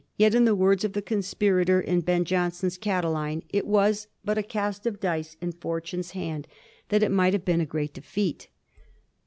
Yet, in the words of the conspirator in Ben Jonson's " Oatiline," it was but '^a cast at dice in Fortune's hand " that it might have been a great defeat.